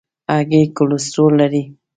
هګۍ کولیسټرول لري.